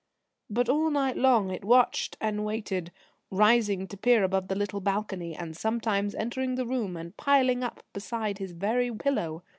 But all night long it watched and waited, rising to peer above the little balcony, and sometimes entering the room and piling up beside his very pillow.